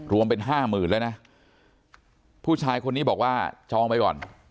รวมเป็นห้าหมื่นแล้วนะผู้ชายคนนี้บอกว่าจองไปก่อน